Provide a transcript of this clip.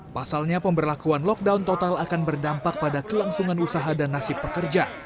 pasalnya pemberlakuan lockdown total akan berdampak pada kelangsungan usaha dan nasib pekerja